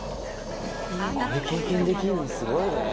これ経験できるのすごいね。